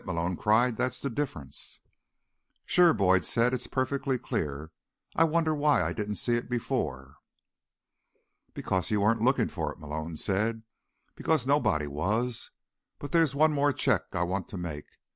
Malone cried. "That's the difference!" "Sure," Boyd said. "It's perfectly clear. I wonder why I didn't see it before." "Because you weren't looking for it," Malone said. "Because nobody was. But there's one more check I want to make.